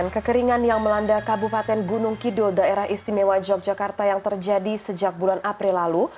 kekeringan yang melanda kabupaten gunung kidul daerah istimewa yogyakarta yang terjadi sejak bulan april lalu